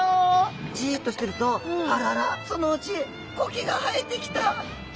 じっとしてるとあららそのうちコケが生えてきた。